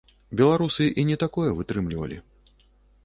Беларусы і не такое вытрымлівалі.